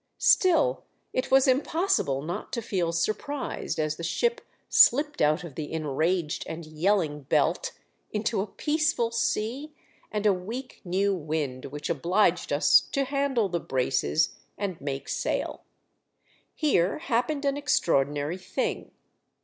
Still, it was impossible not to feel surprised as the ship slipped out of the enraged and yelling belt into a peaceful sea and a weak new wind which obliged us to handle the braces and make sail. Here happened an extraordinary thing.